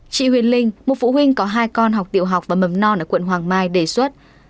chị huyền linh một phụ huynh có hai con học tiểu học và mầm non ở quận hoàng mai đề xuất